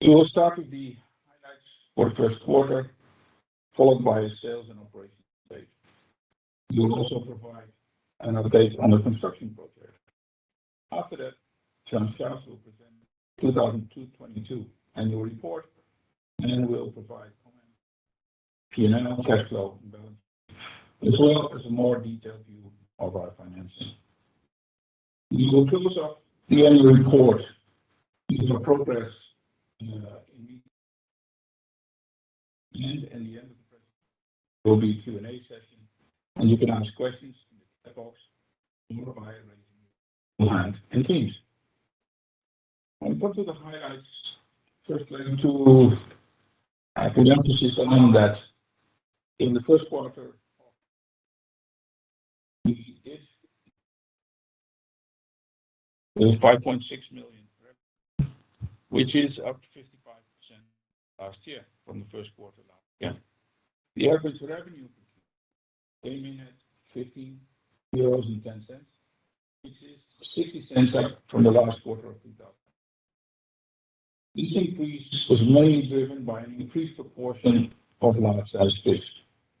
We will start with the highlights for the first quarter, followed by a sales and operations update. We will also provide an update on the construction project. After that, Jean-Charles will present 2022 annual report, then we'll provide comments on P&L, cash flow, and balance sheet, as well as a more detailed view of our financing. We will close off the annual report with our progress and at the end of the presentation will be a Q&A session, and you can ask questions in the chat box and Teams. On to the highlights. First, I want to put emphasis on that in the first quarter we had 5.6 million revenue, which is up 55% last year from the first quarter last year. The average revenue per kilo came in at 15.10 euros, which is 0.60 up from the last quarter of 2000. This increase was mainly driven by an increased proportion of large-sized fish.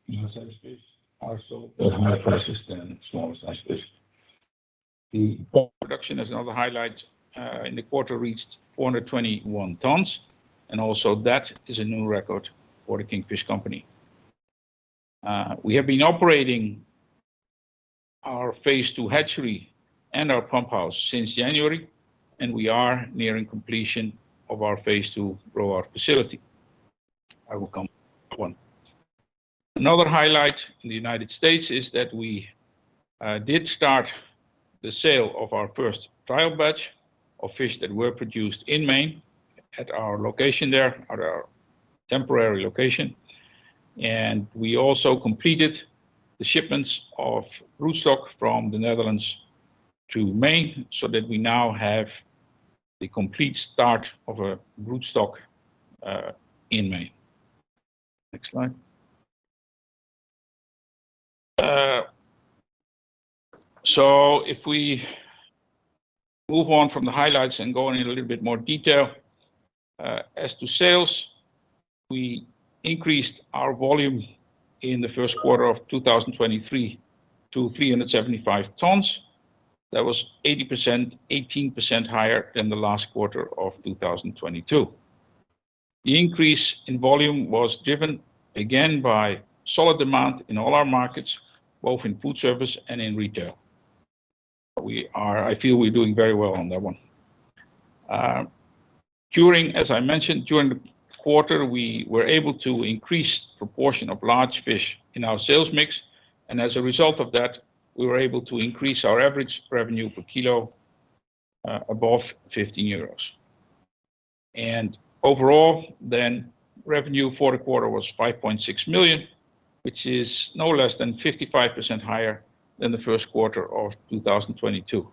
Large-sized fish are sold at higher prices than smaller-sized fish. The production is another highlight in the quarter reached 421 tons, and also that is a new record for The Kingfish Company. We have been operating our phase II hatchery and our pump house since January, and we are nearing completion of our phase II grow out facility. I will come to that one. Another highlight in the United States is that we did start the sale of our first trial batch of fish that were produced in Maine at our location there, at our temporary location. We also completed the shipments of broodstock from the Netherlands to Maine, so that we now have the complete start of a broodstock in Maine. Next slide. If we move on from the highlights and go in a little bit more detail as to sales. We increased our volume in the first quarter of 2023 to 375 tons. That was 18% higher than the last quarter of 2022. The increase in volume was driven again by solid demand in all our markets, both in food service and in retail. I feel we're doing very well on that one. During, as I mentioned, during the quarter, we were able to increase proportion of large fish in our sales mix, and as a result of that, we were able to increase our average revenue per kilo above 15 euros. Overall, then, revenue for the quarter was 5.6 million, which is no less than 55% higher than the first quarter of 2022.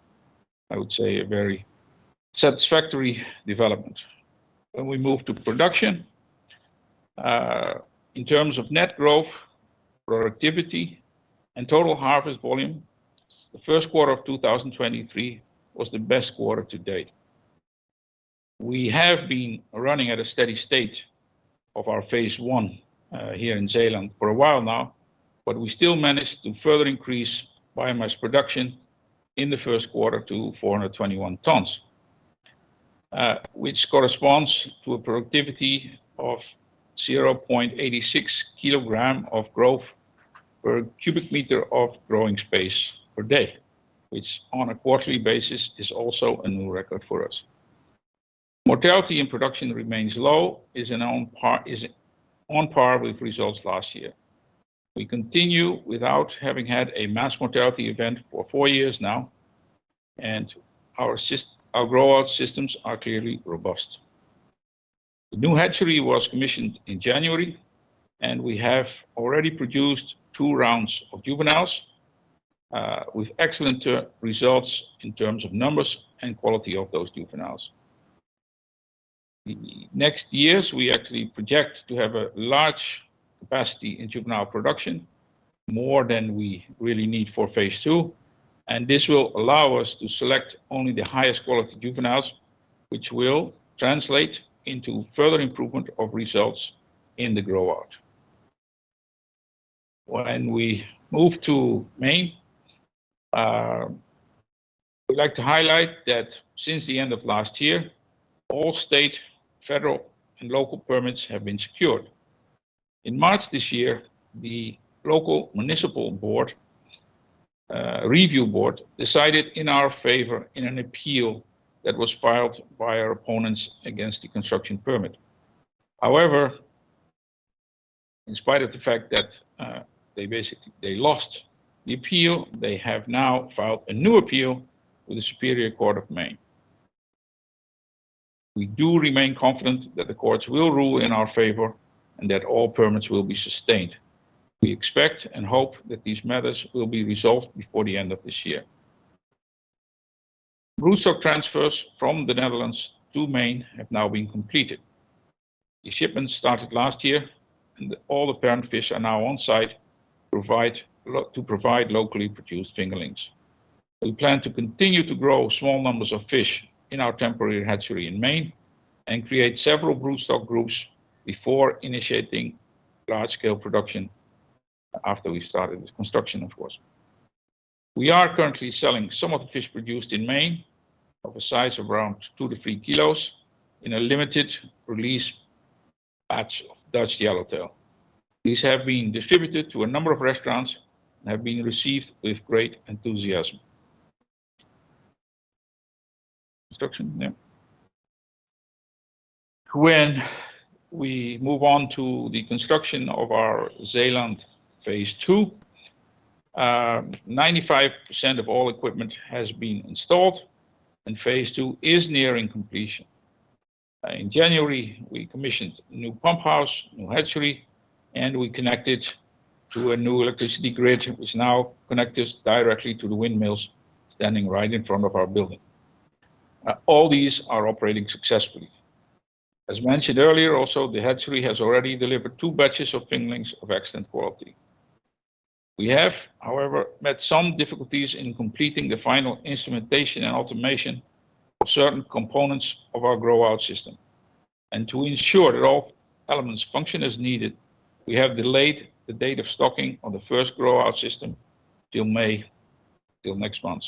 I would say a very satisfactory development. When we move to production, in terms of net growth, productivity, and total harvest volume, the first quarter of 2023 was the best quarter to date. We have been running at a steady state of our phase I here in Zeeland for a while now, but we still managed to further increase biomass production in the first quarter to 421 tons. Which corresponds to a productivity of 0.86 kilogram of growth per cubic meter of growing space per day, which on a quarterly basis is also a new record for us. Mortality in production remains low, is on par with results last year. We continue without having had a mass mortality event for four years now, and our grow out systems are clearly robust. The new hatchery was commissioned in January, and we have already produced two rounds of juveniles with excellent results in terms of numbers and quality of those juveniles. The next years, we actually project to have a large capacity in juvenile production, more than we really need for phase II, and this will allow us to select only the highest quality juveniles, which will translate into further improvement of results in the grow out. When we move to Maine, we like to highlight that since the end of last year, all state, federal, and local permits have been secured. In March this year, the local municipal board, review board, decided in our favor in an appeal that was filed by our opponents against the construction permit. In spite of the fact that they basically, they lost the appeal, they have now filed a new appeal with the Superior Court of Maine. We do remain confident that the courts will rule in our favor and that all permits will be sustained. We expect and hope that these matters will be resolved before the end of this year. Broodstock transfers from the Netherlands to Maine have now been completed. The shipments started last year, and all the parent fish are now on site to provide locally produced fingerlings. We plan to continue to grow small numbers of fish in our temporary hatchery in Maine and create several broodstock groups before initiating large scale production after we started the construction, of course. We are currently selling some of the fish produced in Maine of a size around 2 to 3 kilos in a limited release batch of Dutch Yellowtail. These have been distributed to a number of restaurants and have been received with great enthusiasm. Construction, yeah. When we move on to the construction of our Zeeland phase II, 95% of all equipment has been installed and phase II is nearing completion. In January, we commissioned new pump house, new hatchery, and we connected to a new electricity grid, which now connect us directly to the windmills standing right in front of our building. All these are operating successfully. As mentioned earlier also, the hatchery has already delivered two batches of fingerlings of excellent quality. We have, however, met some difficulties in completing the final instrumentation and automation of certain components of our grow out system. To ensure that all elements function as needed, we have delayed the date of stocking on the first grow out system till May, till next month.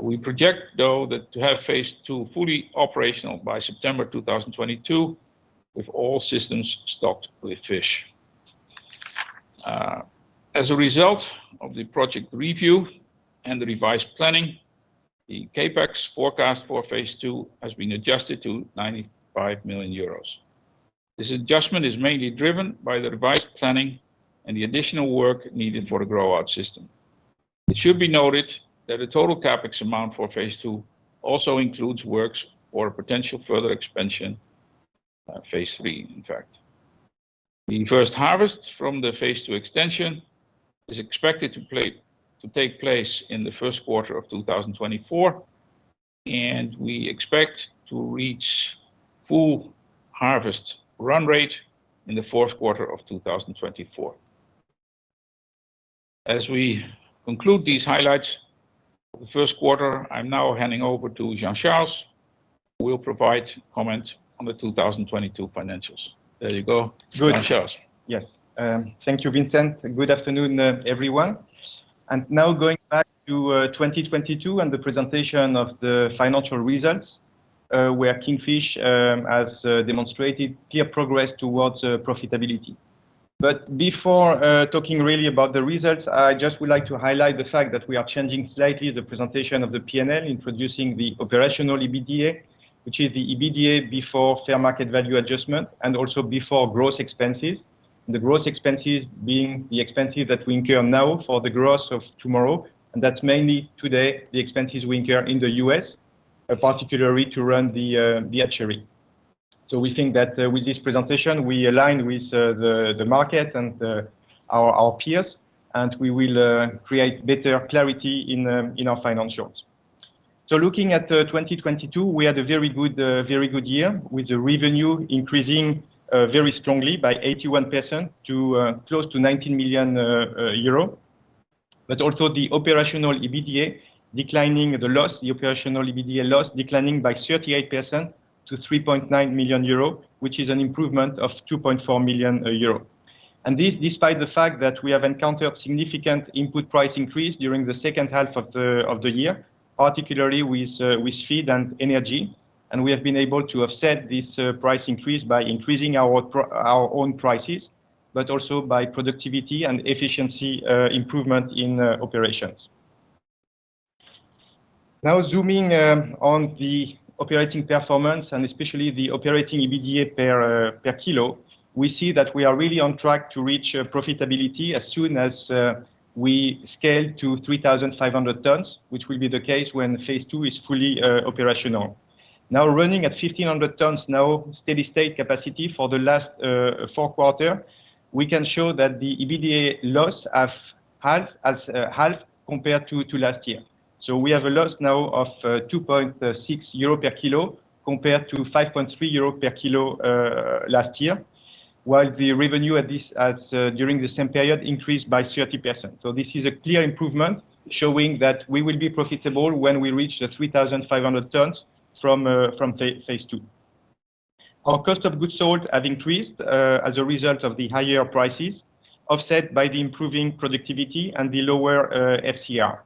We project, though, that to have phase II fully operational by September 2022, with all systems stocked with fish. As a result of the project review and the revised planning, the CapEx forecast for phase II has been adjusted to 95 million euros. This adjustment is mainly driven by the revised planning and the additional work needed for the grow out system. It should be noted that the total CapEx amount for phase II also includes works for a potential further expansion, phase III, in fact. The first harvest from the phase II extension is expected to take place in the first quarter of 2024, we expect to reach full harvest run rate in the fourth quarter of 2024. As we conclude these highlights for the first quarter, I'm now handing over to Jean-Charles, who will provide comment on the 2022 financials. There you go. Good. Jean-Charles. Yes. Thank you, Vincent, good afternoon, everyone. Now going back to 2022 and the presentation of the financial results, where Kingfish has demonstrated clear progress towards profitability. Before talking really about the results, I just would like to highlight the fact that we are changing slightly the presentation of the P&L, introducing the Operational EBITDA, which is the EBITDA before fair market value adjustment and also before growth expenses, and the growth expenses being the expenses that we incur now for the growth of tomorrow. That's mainly today, the expenses we incur in the U.S., particularly to run the hatchery. We think that with this presentation, we align with the market and our peers, and we will create better clarity in our financials. Looking at 2022, we had a very good, very good year, with the revenue increasing very strongly by 81% to close to 19 million euro. Also the Operational EBITDA declining the loss, the Operational EBITDA loss declining by 38% to 3.9 million euro, which is an improvement of 2.4 million euro. This despite the fact that we have encountered significant input price increase during the second half of the year, particularly with feed and energy, and we have been able to offset this price increase by increasing our own prices, but also by productivity and efficiency improvement in operations. Zooming on the operating performance and especially the Operational EBITDA per kilo, we see that we are really on track to reach profitability as soon as we scale to 3,500 tons, which will be the case when phase II is fully operational. Running at 1,500 tons now, steady state capacity for the last 4 quarter, we can show that the EBITDA loss have halved compared to last year. We have a loss now of 2.6 euro per kilo compared to 5.3 euro per kilo last year, while the revenue during the same period increased by 30%. This is a clear improvement showing that we will be profitable when we reach the 3,500 tons from phase II. Our cost of goods sold have increased, as a result of the higher prices, offset by the improving productivity and the lower FCR.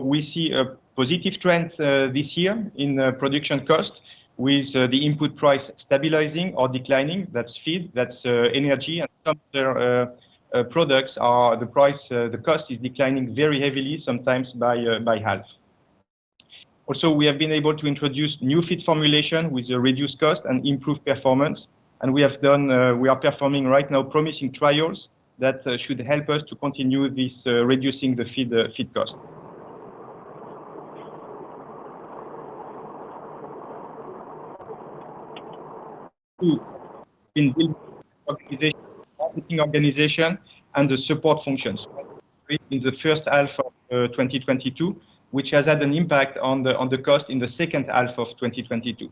We see a positive trend this year in production cost with the input price stabilizing or declining. That's feed, that's energy and some other products are the price, the cost is declining very heavily, sometimes by half. Also, we have been able to introduce new feed formulation with a reduced cost and improved performance. We have done, we are performing right now promising trials that should help us to continue this reducing the feed cost. Two, in build organization, marketing organization, and the support functions. In the first half of 2022, which has had an impact on the, on the cost in the second half of 2022.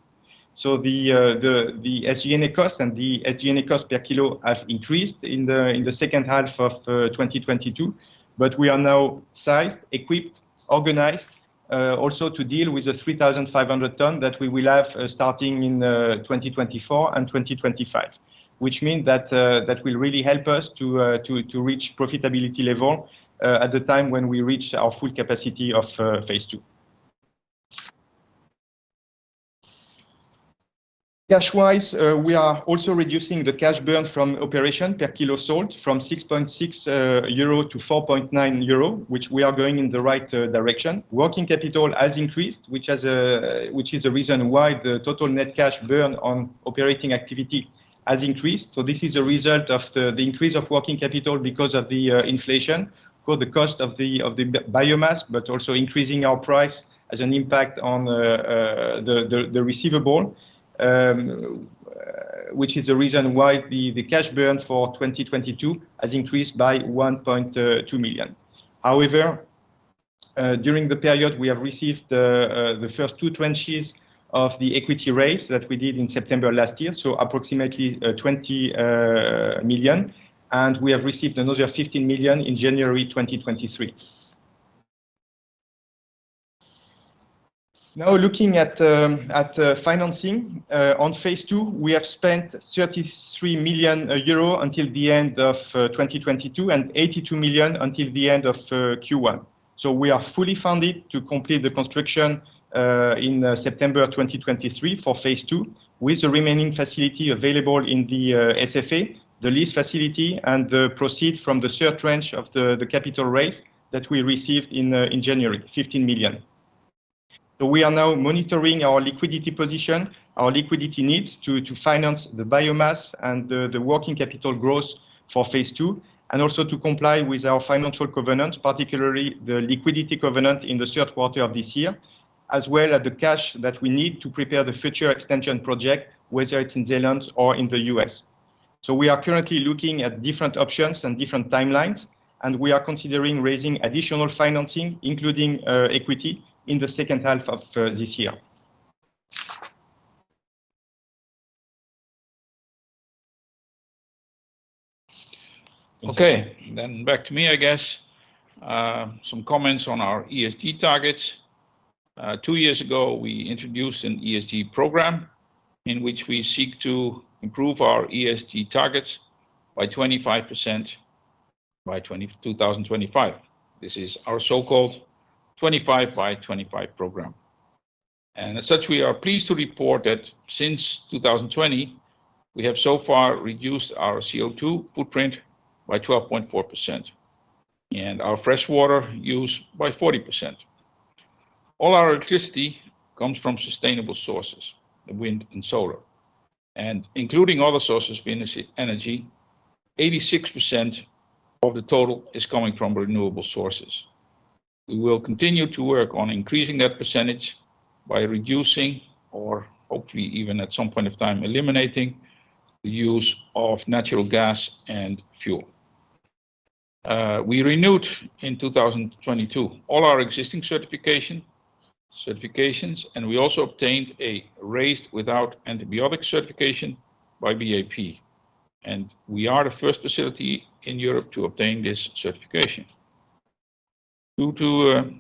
The SG&A cost and the SG&A cost per kilo have increased in the second half of 2022. We are now sized, equipped, organized, also to deal with the 3,500 ton that we will have starting in 2024 and 2025. Which mean that will really help us to reach profitability level at the time when we reach our full capacity of phase II. Cash-wise, we are also reducing the cash burn from operation per kilo sold from 6.6 euro to 4.9 euro, which we are going in the right direction. Working capital has increased, which is the reason why the total net cash burn on operating activity has increased. This is a result of the increase of working capital because of the inflation, for the cost of the biomass, but also increasing our price has an impact on the receivable. Which is the reason why the cash burn for 2022 has increased by 1.2 million. However, during the period, we have received the first two tranches of the equity raise that we did in September last year, so approximately 20 million. We have received another 15 million in January 2023. Looking at financing. On phase II, we have spent 33 million euro until the end of 2022, and 82 million until the end of Q1. We are fully funded to complete the construction in September 2023 for phase II, with the remaining facility available in the SFA, the lease facility, and the proceed from the third tranche of the capital raise that we received in January, 15 million. We are now monitoring our liquidity position, our liquidity needs to finance the biomass and the working capital growth for phase II, and also to comply with our financial covenants, particularly the liquidity covenant in the third quarter of this year, as well as the cash that we need to prepare the future extension project, whether it's in Zeeland or in the U.S. We are currently looking at different options and different timelines, and we are considering raising additional financing, including equity, in the second half of this year. Okay. back to me, I guess. Some comments on our ESG targets. Two years ago, we introduced an ESG program in which we seek to improve our ESG targets by 25% by 2025. This is our so-called 25/25 Program. As such, we are pleased to report that since 2020, we have so far reduced our CO2 footprint by 12.4%, and our fresh water use by 40%. All our electricity comes from sustainable sources, wind and solar. Including other sources of energy, 86% of the total is coming from renewable sources. We will continue to work on increasing that percentage by reducing, or hopefully even at some point of time eliminating, the use of natural gas and fuel. We renewed in 2022 all our existing certifications, and we also obtained a Raised Without Antibiotics certification by BAP. We are the first facility in Europe to obtain this certification. Due to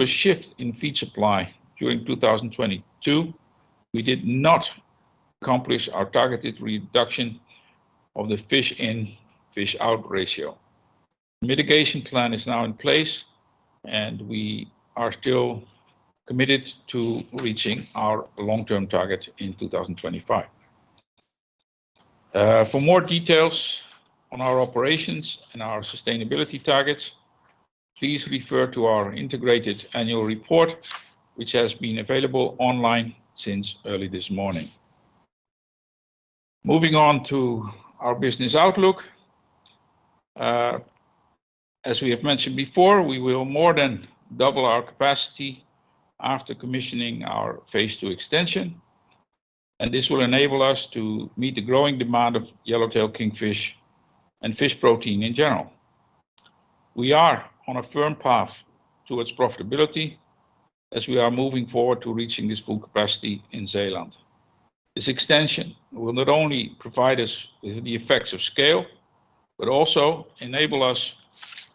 a shift in feed supply during 2022, we did not accomplish our targeted reduction of the Fish In-Fish Out ratio. Mitigation plan is now in place. We are still committed to reaching our long-term target in 2025. For more details on our operations and our sustainability targets, please refer to our integrated annual report, which has been available online since early this morning. Moving on to our business outlook. As we have mentioned before, we will more than double our capacity after commissioning our phase II extension. This will enable us to meet the growing demand of yellowtail kingfish and fish protein in general. We are on a firm path towards profitability as we are moving forward to reaching this full capacity in Zeeland. This extension will not only provide us with the effects of scale, but also enable us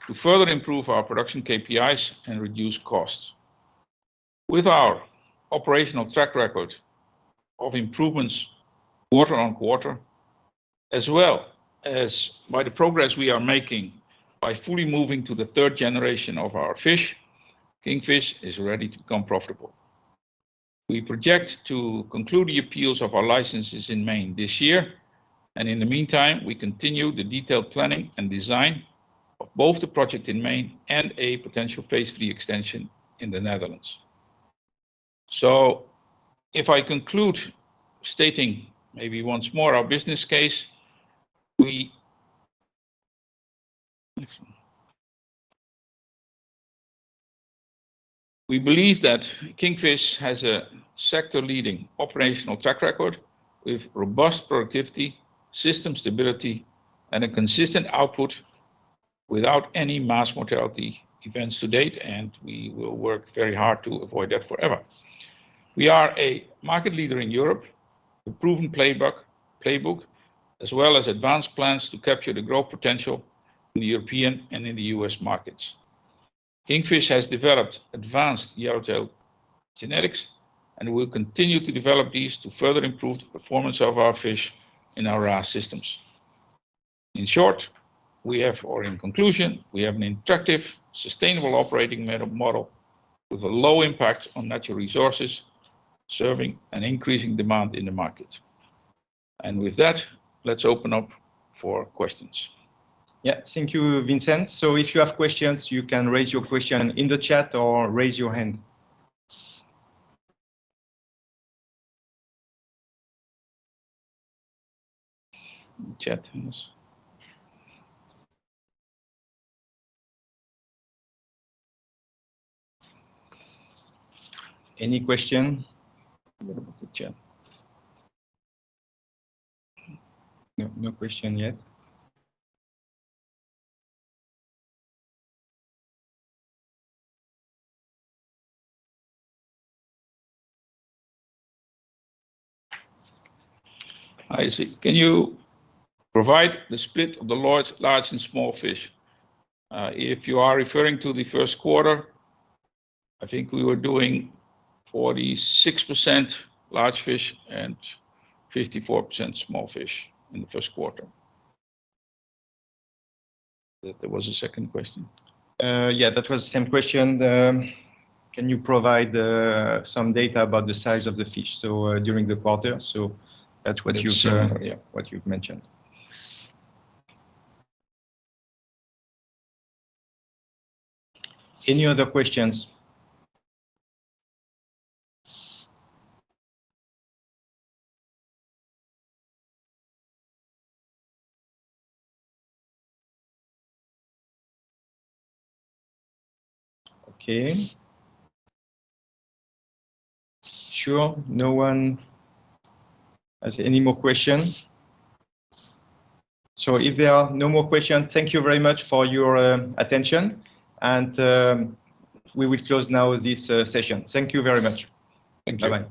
to further improve our production KPIs and reduce costs. With our operational track record of improvements quarter on quarter, as well as by the progress we are making by fully moving to the third generation of our fish, Kingfish is ready to become profitable. We project to conclude the appeals of our licenses in Maine this year, and in the meantime, we continue the detailed planning and design of both the project in Maine and a potential phase III extension in the Netherlands. If I conclude stating maybe once more our business case, we. Next one. We believe that Kingfish has a sector-leading operational track record with robust productivity, system stability, and a consistent output without any mass mortality events to date, and we will work very hard to avoid that forever. We are a market leader in Europe with a proven playbook, as well as advanced plans to capture the growth potential in the European and in the U.S. markets. Kingfish has developed advanced yellowtail genetics and will continue to develop these to further improve the performance of our fish in our RAS systems. In conclusion, we have an attractive, sustainable operating model with a low impact on natural resources, serving an increasing demand in the market. With that, let's open up for questions. Yeah. Thank you, Vincent. If you have questions, you can raise your question in the chat or raise your hand. Chat hands. Any question? Look at the chat. No, no question yet. I see. Can you provide the split of the large and small fish? If you are referring to the first quarter, I think we were doing 46% large fish and 54% small fish in the first quarter. There was a second question. Yeah, that was the same question. Can you provide, some data about the size of the fish, so, during the quarter? that's what you- That's, yeah.... what you've mentioned. Any other questions? Okay. Sure. No one has any more questions. If there are no more questions, thank you very much for your attention, and we will close now this session. Thank you very much. Thank you. Bye-bye.